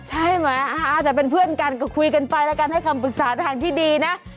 ใช่ไหมอาจจะเป็นเพื่อนกันก็คุยกันไปแล้วกันให้คำปรึกษาทางที่ดีนะ